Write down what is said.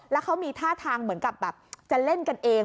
แล้วเขามีท่าทางเหมือนกับแบบจะเล่นกันเอง